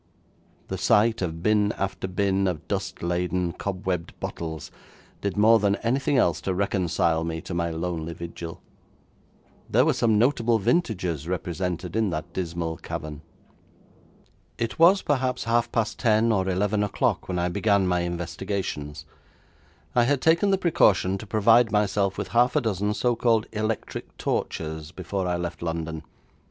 The sight of bin after bin of dust laden, cobwebbed bottles, did more than anything else to reconcile me to my lonely vigil. There were some notable vintages represented in that dismal cavern. It was perhaps half past ten or eleven o'clock when I began my investigations. I had taken the precaution to provide myself with half a dozen so called electric torches before I left London.